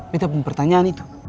meta pempertanyaan itu